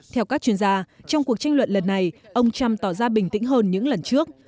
theo các chuyên gia trong cuộc tranh luận lần này ông trump tỏ ra bình tĩnh hơn những lần trước